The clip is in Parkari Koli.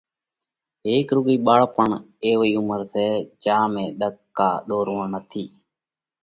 هيڪ رُوڳئِي ٻاۯا پڻ ايوئي عُمر سئہ، جيا ۾ ۮک ڪا ۮورووڻ نٿِي۔